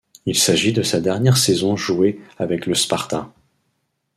Il s'agit de sa dernière saison jouée avec le Sparta.